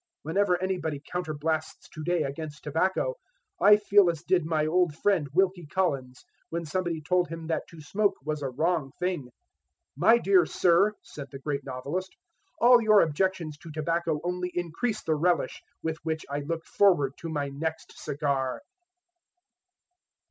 Whenever anybody counterblasts to day against tobacco, I feel as did my old friend Wilkie Collins, when somebody told him that to smoke was a wrong thing. 'My dear sir,' said the great novelist, 'all your objections to tobacco only increase the relish with which I look forward to my next cigar!'"